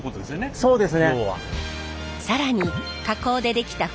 そうですね。